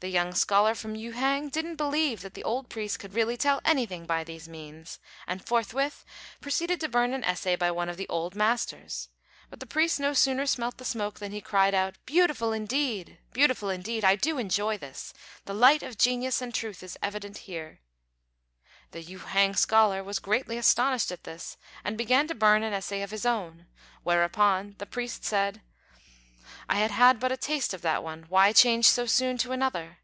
The young scholar from Yü hang didn't believe that the old priest could really tell anything by these means, and forthwith proceeded to burn an essay by one of the old masters; but the priest no sooner smelt the smoke than he cried out, "Beautiful indeed! beautiful indeed! I do enjoy this. The light of genius and truth is evident here." The Yü hang scholar was greatly astonished at this, and began to burn an essay of his own; whereupon the priest said, "I had had but a taste of that one; why change so soon to another?"